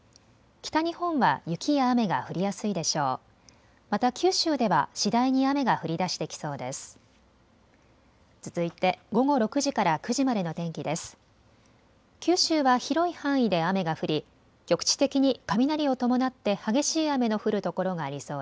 北日本は雪や雨が降りやすいでしょう。